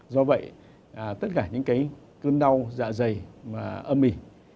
do vậy tất cả những cái cơn đau dạ dày âm mỉ